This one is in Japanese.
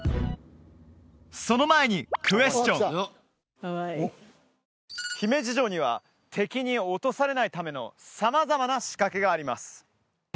その前にクエスチョン姫路城には敵に落とされないための様々な仕掛けがあります